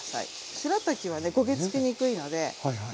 しらたきはね焦げつきにくいので。